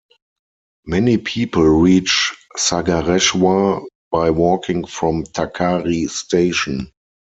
Many people reach Sagareshwar by walking from Takari station.